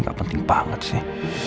nggak penting banget sih